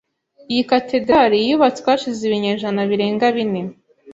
Iyi katedrali yubatswe hashize ibinyejana birenga bine .